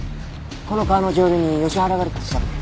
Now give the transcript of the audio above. この川の上流にヨシ原があるか調べて。